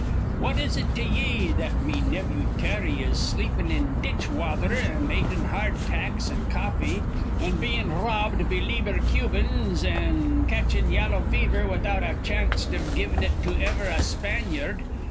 What is it to ye that me nevvew Terry is sleepin' in ditch wather an' atin' hard tacks an' coffee an' bein' r robbed be leeber Cubians, an' catchin' yallow fever without a chanst iv givin' it to e'er a Spanyard.